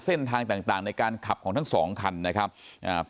เส้นทางต่างต่างในการขับของทั้งสองคันนะครับอ่า